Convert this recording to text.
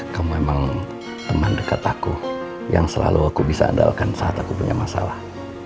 kamu memang teman dekat aku yang selalu aku bisa andalkan saat aku punya masalah